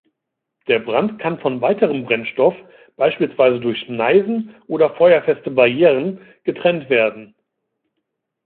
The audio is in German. Der Brand kann von weiterem Brennstoff, beispielsweise durch Schneisen oder feuerfeste Barrieren, getrennt werden.